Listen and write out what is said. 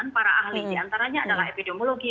para ahli diantaranya adalah epidemiologi